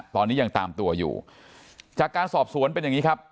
ตอนนี้ยังตามตัวอยู่จากการสอบสวนเป็นอย่างนี้ครับ